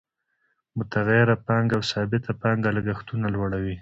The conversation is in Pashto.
متغیره پانګه او ثابته پانګه لګښتونه جوړوي